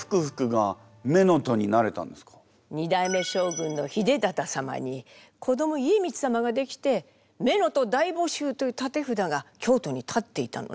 まず二代目将軍の秀忠様に子ども家光様ができて「乳母大募集」という立て札が京都に立っていたのね。